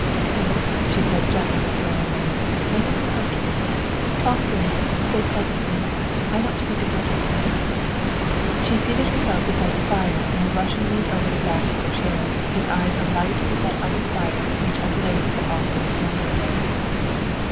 '' Come, '' she said, gently withdrawing them, '' let us be comfortable. Talk to me, say pleasant things. I want to be diverted to night." She seated herself beside the fire and the Eussian leaned over the back of her chair, his eyes alight with that other fire which of late had often smouldered there.